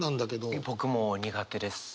僕も苦手です。